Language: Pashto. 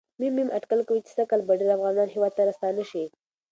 م.م اټکل کوي چې سږ کال به ډېر افغانان هېواد ته راستانه شي.